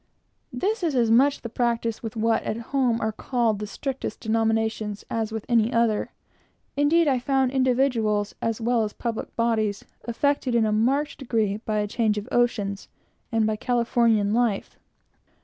This is as much the practice with what at home are called the strictest denominations as with any others. Indeed, I found individuals, as well as public bodies, affected in a marked degree by a change of oceans and by California life.